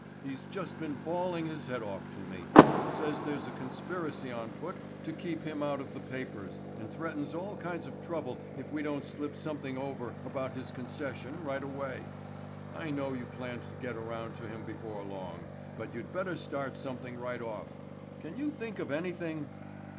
He's just been bawling his head off to me. Says there's a conspiracy on foot to keep him out of the papers and threatens all kinds of trouble if we don't slip something over about his concession right away. I know you planned to get around to him before long, but you'd better start something right off. Can you think of anything?"